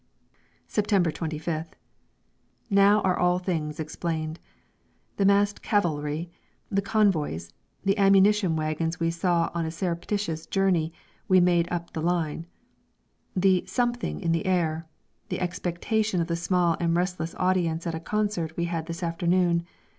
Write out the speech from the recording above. September 25th. Now are all things explained the massed cavalry, the convoys, the ammunition wagons we saw on a surreptitious journey we made up the line; the "Something" in the air, the expectation of the small and restless audience at a concert we had this afternoon.